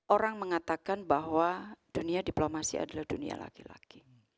orang mengatakan bahwa dunia diplomasi adalah dunia laki laki